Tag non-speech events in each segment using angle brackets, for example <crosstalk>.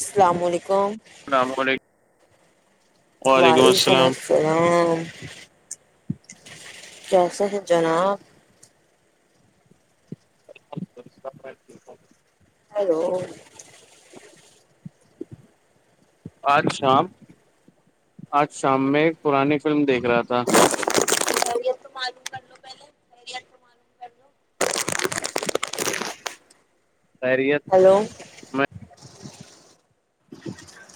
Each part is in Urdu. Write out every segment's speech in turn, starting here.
السلام علیکم اللام علیکم وعلیکم السلام کیسے ہیں جناب <inaudible> ہو <unintelligible> آج شام آج شام میں پرانی فلم دیکھ رہا تھا خیریت معلوم کر لو پہلے خریت کو معلوم کر لو خیریت ہلو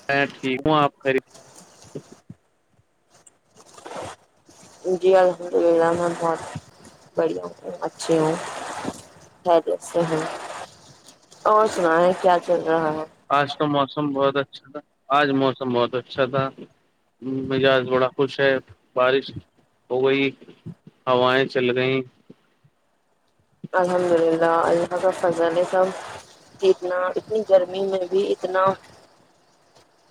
میں ٹھیک ہوں آپ خری جی الحمد للہ میں بہت بڑھیا ہوں اچھی ہوں جیے ہیں اور سنا ہے کیا چل ہ ہ <inaudible> کا موسم بہت اچھا تھا آج موسم بہت اچھا تھا مجاج بڑا خوش ہے بارش ہو گئی ہوائیں چل گئ الحمد للہ اللہ کا فضل سب اتنا اتنی گرمی میں بھی اتنا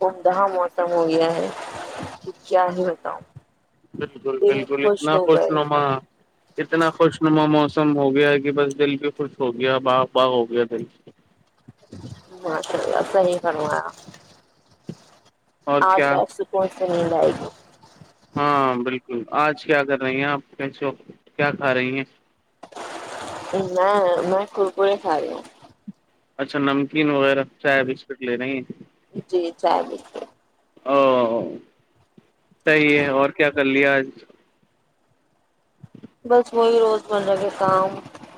عمدہا موسم ہو گیا ہے کہ کیا ہی بتاؤ بالکل بالکل اتنا خوش نما اتنا خوش نما مو سم ہو گیا ہے کہ بس دل بھی خوش ہو گیا باغ باغ ہو گیا دل ہ چ صحیح کروںا <inaudible> کیا آچھا اچ س کون تو نہیں ل آ ہاں بالکل آج کیا کر رہی ہیں آپ کیسے وقت کیا کھا رہی ہیں میں میں کورکور خ رہی ہوں اچھا نمکین وغیرہ چائے بسکٹ لے رہی ہیں جی چائے بسکٹ او صحیح ہے اور کیا کر لیا آج بس وہی روزمرہ کے کام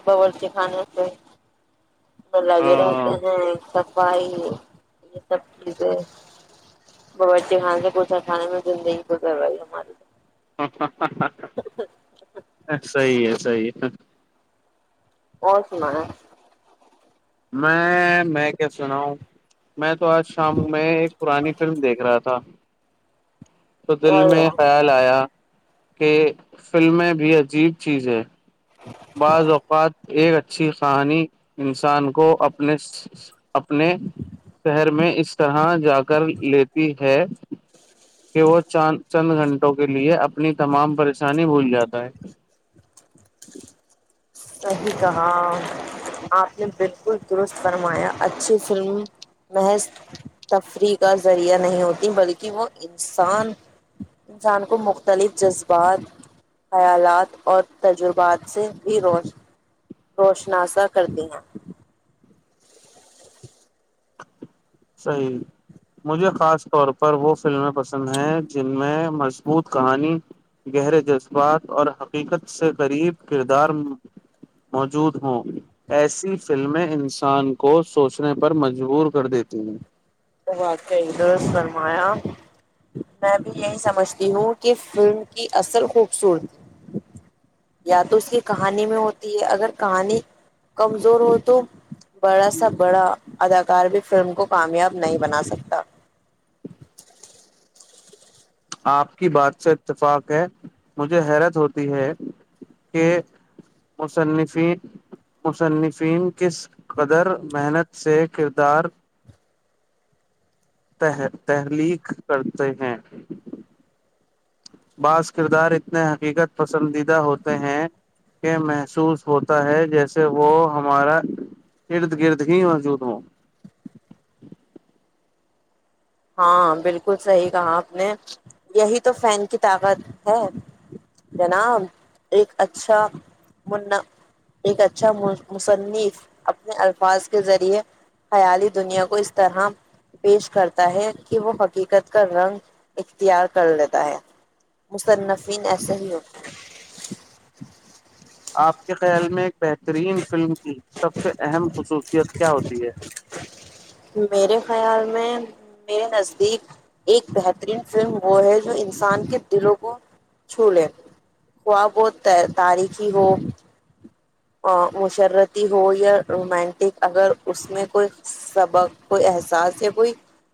باورچی خانے سے ملگ رہاتے ہاں ہ <unintelligible> ائی یہ سب چیز ہے باچی خانے سے کوھا کھانے میں زندگی کو گوائی ہماری <unintelligible> ہ ہ <inaudible> صحی ہے صحیح ہے <unintelligible> او سم <unintelligible> میں میں کیا سنا ہوں میں تو آج شام میں ایک پرانی فلم دیکھ رہا تھا تو دل اور میں خیال آیا کہ فلمیں بھی عجیب چیز ہے بعض اوقات <unintelligible> ایک اچھی کہانی انسان کو اپنے اپنے شہر میں اس طرح جا کر لیتی ہے کہ وہ چان چند گھنٹوں کے لیے اپنی تمام پریشانی بھول جاتا ہے صحیح کہا آپ نے بالکل درست فرمایا اچھی فلم محض تفریح کا ذریعہ نہیں ہوتیں بلکہ وہ انسان انسان کو مختلف جذبات خیالات اور تجربات سے بھی روش روشناسا کرتے ہیں صحیح مجھے خاص طور پر وہ فلمیں پسند ہیں جن میں مضبوط کہانی گہرے جذبات اور حقیقت سے قریب کردار موجود ہوں ایسی فلمیں انسان کو سوچنے پر م مجبور کر دیتے ہیں وقع سرمایا میں بھی یہی سمجھتی ہوں کہ فلم کی اصل خوبصورتی یا تو اس کی کہانی میں ہوتی ہے اگر کہانی کمزور ہو تو بڑا سا بڑا اداکار بھی فلم کو کامیاب نہیں بنا سکتا آپ کی بات سے اتفاق ہے مجھے حیرت ہوتی ہے کہ مصنفین مصنفین کس قدر محنت سے کردار تحلیق کرتے ہیں بعض کردار اتنے حقیقت پر پسندیدہ ہوتے ہیں کے محسوس ہوتا ہے جیسے وہ ہمارا ارد گرد ہی موجود ہو ہاں بالکل صحیح کہا آپ نے یہی تو فین کی طاقت ہے جناب ایک اچھا م ایک اچھا مصنف اپنے الفاظ کے ذریعے خیالی دنیا کو اس طرح پیش کر ہے کہ وہ حقیقت کا رنگ اختیار کر لیتا ہے مصنفین ایسے ہی ہوتے ہیں آپ کے خیال میں ایک بہترین فلم کی سب سے اہم خصوصیت کیا ہوتی ہے میرے خیال میں میرے نزدیک ایک بہترین فلم وہ ہے جو انسان کے دلوں کو چھو لے خواب و تاریخی ہو مشرتی ہو یا رومانٹک اگر اس میں کوئی سبق کوئی احساس یا کوئی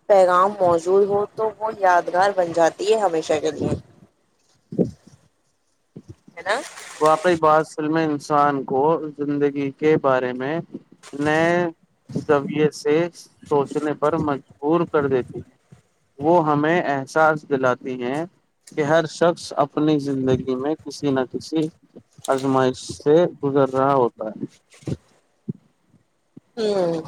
پیغام موجود ہو تو وہ یادگار بن جاتی ہے ہمیشہ کے لیے ہ <inaudible> واقعی ب سلمین انسان کو زندگی کے بارے میں نئے زذویے سے سوچنے پر مجبور کر دیتے ہیں وہ ہمیں احساس دلاتی ہیں کہ ہر شخص اپنی زندگی میں ک ن کسی آزمائش سے گزر رہا ہوتا ہے <inaudible> ہوں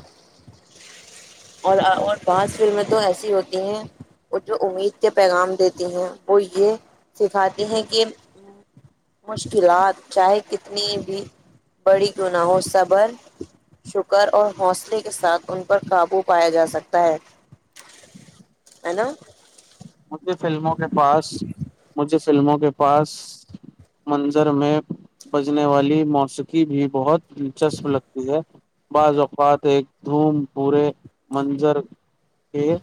اور اور بعض فلمیں تو ایسی ہوتی ہیں اور جو امید کے پیغام دیتی ہیں وہ یہ سکھاتی ہیں کہ مشکلات چاہے کتنی بھی بڑی کیوں نہ ہو صبر شکر اور حوصلے کے ساتھ ان پر قابو پایا جا سکتا ہے ہے نا مجھے فلموں کے پاس مجھے فلموں کے پاس منظر میں بجنے والی موسیقی بھی بہت دلچسپ لگتی ہے بعض اوقات ایک دھوم پورے منظر کہ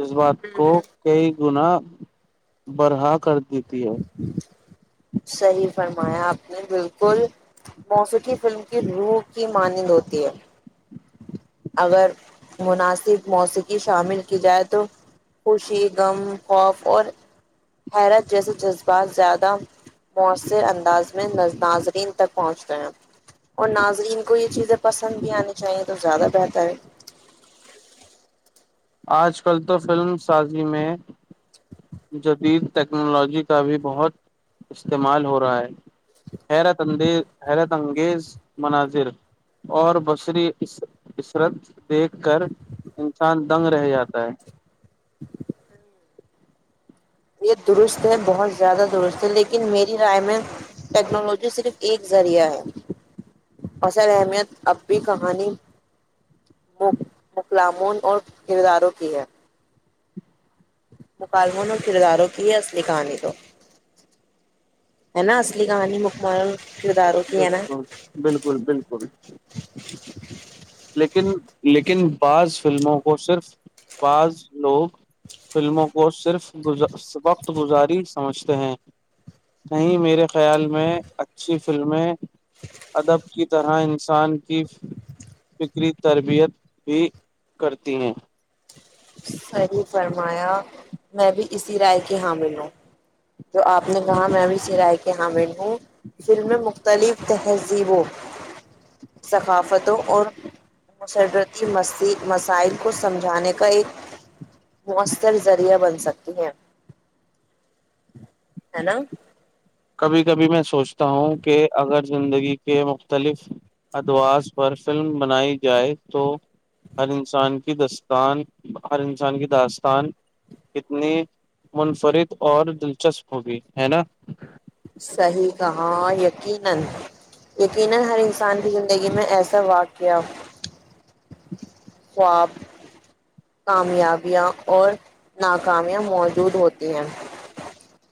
اس بات کو کئی گنا برہا کر دیتی ہے صحیح فرمایا اپنی بالکل موسیقی فلم کی روح کی مانند ہوتی ہے اگر مناسب موسیقی شامل کی جائے تو خوشی غم خوف اور حیرت جیسے جذبات زیادہ مؤثر انداز میں ناظرین تک پہنچتےے ہیں اور ناظرین کو یہ چیزیں پسند بھی آنی چاہیے تو زیادہ رہتا ہے آج کل تو فلم سازی میں جدید ٹیکنالوجی کا بھی بہت استعمال ہو رہا ہے حیرت اندیز حیرت انگیز مناظر اور بصری عثرت دیکھ کر انسان دنگ رہ جاتا ہے ہاں <unintelligible> یہ درست ہے بہت زیادہ درست ہے لیکن میری رائے میں ٹیکنالوجی صرف ایک ذریعہ ہے اصل اہمیت اب بھی کہانی مکلاموں اور کرداروں کی ہے مکالموں نے اور کرداروں کی ہے اصلی کہانی کو ہے نا اصلی کہانی مکم بالکل بالکل بالکل لیکن لیکن <unintelligible> بعض فلموں کو صرف بعض لوگ فلموں کو صرف <unintelligible> گ صبق <unintelligible> گزاری سمجھتے ہیں نہیں <unintelligible> میرے خیال میں اچھی ف <unintelligible> فلمیں ادب کی طرح انسان کی فکری تربیت بھی کرتی ہیں <unintelligible> سحیح فرمایا میں بھی اسی رائے کی حامل ہوں جو آپ نے کہا میں بھی اسی رائے کے حامل ہوں <unintelligible> فھر میں م <unintelligible> مختلف تہذیبوں ثقافتوں اور مسرتی م مسائل کو سمجھانے کا ایک <unintelligible> مؤثر ذریعہ بن سکتی ہیں ہے نا کبھی کبھی میں سوچتا ہوں کہ اگر زندگی کے مختلف ادوااز پر فلم بنائی جائے تو ہر انسان کی داستان ہر انسان کی داستان کتنی منفرد اور دلچسپ ہوگی ہے نا <unintelligible>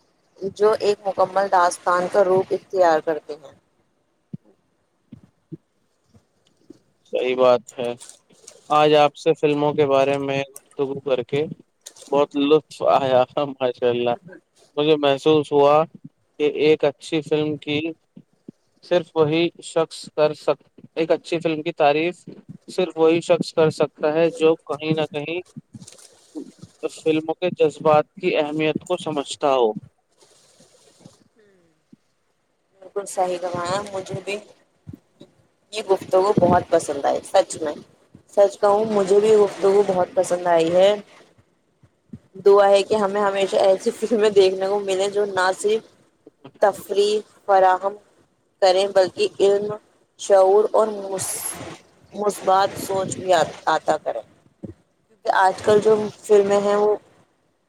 جو ایک مکمل داستان کا روپ اختیار کرتے ہیں صحیح بات ہے آج آپ سے فلموں کے بارے میں گفتگو کر کے بہت لطف آیا ماشاء اللہ مجھے محسوس <unintelligible> ہوا کہ ایک اچھی فلم کی صرف وہی شخص کر سک ایک اچھی فلم کی <unintelligible> تعریف صرف وہی شخص کر سکتا ہے جو کہیں نہ کہیں فلموں کے جذبات کی اہمیت کو سمجھتا ہو <unintelligible> بالکل صحیح کمایا مجھے بھی یہ گفتگو بہت پسند آئی سچ میں سچ کہوں مجھے بھی یہ گفتگو بہت پسند آئی ہے دعا ہے کہ ہمیں ہمیشہ ایسی فلمیں دیکھنے کو ملیں جو نہ صرف <unintelligible> تفریح <unintelligible> فراہم کریں بلکہ علم شعور اور مثبات سوچ بھی آتا کریں کیونکہ آج کل جو فلمیں ہیں وہ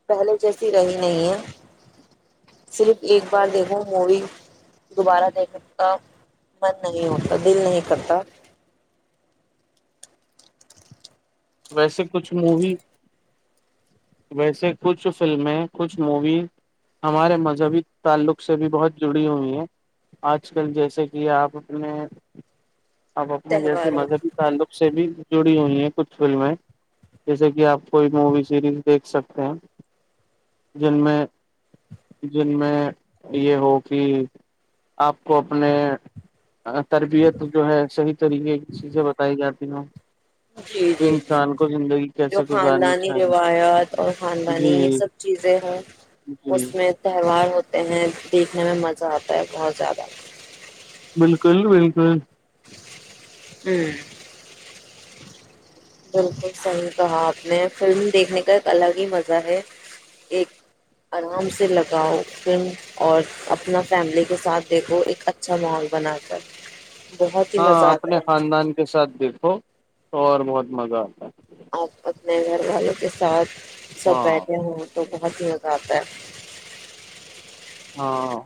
پہلے جیسی رہی نہیں ہے صرف ایک بار دیکھو مووی <unintelligible> دوبارہ دیکھ س کا من نہیں ہوتا دل نہیں کرتا <unintelligible> ویسے کچھ مووی ویسے کچھ فلمیں کچھ مووی ہمارے مذہبی تعلق سے بھی بہت جڑی ہوئی ہیں آج کل جیسے کہ آپ اپنے <unintelligible> اپ اپنے جیسے تہواروں مذہبی تعلق سے بھی <unintelligible> جڑی ہوئی ہے کچھ <unintelligible> فلمیں جیسے کہ آپ کوئی مووی سیریز دیکھ سکتے ہیں جن میں جن میں یہ ہو کہ آپ کو اپنے <unintelligible> تربیت جو ہے صحیح طریقے کی چیزیں بتائی جاتی جل <unintelligible> جی جی جی جو گزارنی خاندانی چاہیے روایات اور خاندانی یہ جی سب چیزیں ہیں اس جی میں تہوار ہوتا <unintelligible> ہیں دیکھنے میں مزہ آتا ہے بہت زیادہ <unintelligible> بالکل بالکل ہوں <unintelligible> بالکل صحیح کہا آپ نے فلم دیکھنے کا ایک الگ ہی مزہ ہے ایک آرام سے لگاؤ فلم اور اپنا فیملی کے ساتھ دیکھو ایک اچھا ماحول بنا کر بہت ہی ہاں مزہ آتا اپنے ہے خاندان کے ساتھ بھی تو اور بہت مزہ آتا ہے <unintelligible> آپ اپنے گھر والوں کے ساتھ <unintelligible> ہے سب ہاں بہتےے ہ تو <unintelligible> بہت مزہ آتا ہے <unintelligible> ہاں <unintelligible>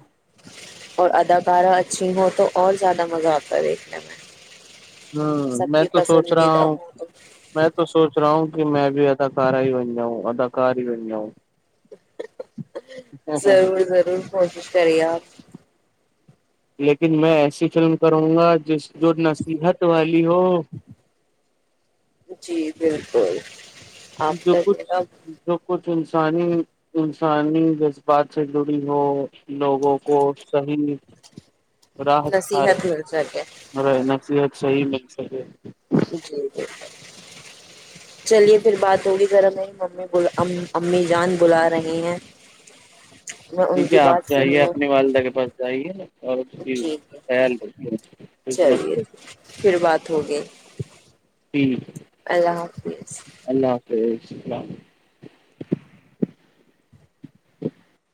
اور اداکارہ اچھی ہوں تو اور زیادہ مزہ آتا ہے دیکھنے میں <unintelligible> ہوں سب میں کی تو سوچ رہا پسندیدہ ہوں تو میں تو سوچ رہا ہوں <unintelligible> کہ میں بھی اداکارہ ہی بن جاؤں اداکار ہی بن جاؤں <unintelligible> ضرور ضرور پہنچ <unintelligible> سریہ <inaudible> لیکن میں ایسی فلم کروں گا جس جڑ نہ <unintelligible> سحت والی ہو جی بالکل <inaudible> ج آپ کا ک میرا ج ک <inaudible> انسانی انسانی جذبات سے جڑی ہو لوگوں کو صحیح <unintelligible> رحت کھا نصیحت رہی مل سکے ہو <unintelligible> صیت صحیح مل سکے <unintelligible> جی <inaudible> چلیے پھر بات ہوگی ذر ہم ممی امی جان بلا رہی ہیں <unintelligible> ان ٹھیک ہے کی آپ بات سن جائیے لوں اپنی والدہ کے پاس جائیے <unintelligible> کی جی ج خیال رکھیے قسمت چلیےھیک کریے پھر بات ہو گئی <unintelligible> ٹھیک ہے اللہ حافظ <unintelligible> رام <unintelligible>